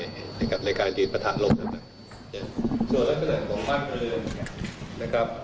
อยู่ได้กับในการยืนประถานลมส่วนลักษณะของบ้านอื่นนะครับ